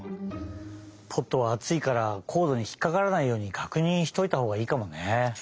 ポットはあついからコードにひっかからないようにかくにんしておいたほうがいいかもね。